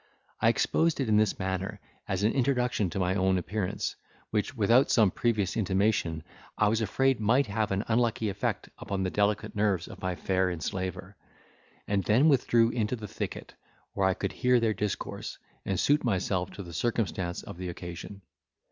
I exposed it in this manner, as an introduction to my own appearance, which, without some previous intimation, I was afraid might have an unlucky effect upon the delicate nerves of my fair enslaver; and then withdrew into the thicket, where I could hear their discourse, and suit myself to the circumstance of the occasion.